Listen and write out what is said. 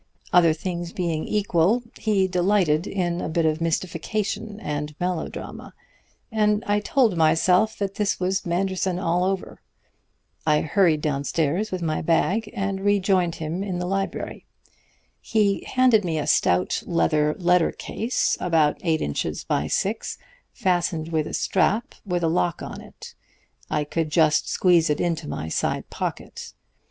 Other things being equal, he delighted in a bit of mystification and melodrama, and I told myself that this was Manderson all over. I hurried downstairs with my bag and rejoined him in the library. He handed me a stout leather letter case, about eight inches by six, fastened with a strap with a lock on it. I could just squeeze it into my side pocket.